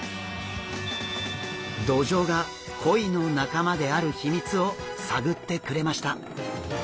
ドジョウがコイの仲間である秘密を探ってくれました。